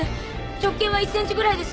直径は１センチぐらいです。